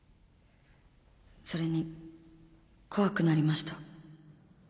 それに怖くなりました